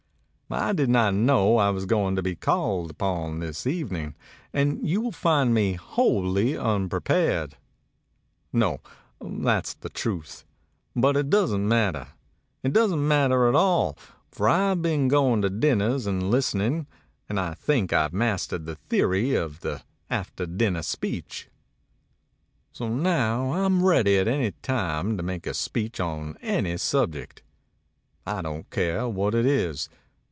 "I did not know I was going to be called upon this evening and you find me wholly unpre pared. No that's the truth. But it doesn't matter. It doesn't matter at all, for I've been going to dinners and listening, and I think I've mastered the theory of the after dinner speech. So now I'm ready at any time to make a speech on any subject. I don't care what it is.